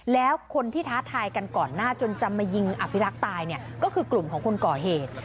แล้วคนที่ท้าทายกันก่อนหน้าจนจะมายิงอภิรักษ์ตายเนี่ยก็คือกลุ่มของคนก่อเหตุ